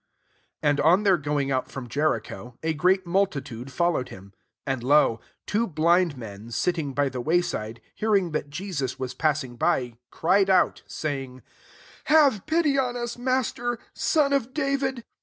29 And on their going out from Jericho, a great multitude followed him. 30 And, lo ! two blind men, sitting by the way sidey hearing that Jesus was passing by, cried out, saying, " Have pity on us. Master, son of David."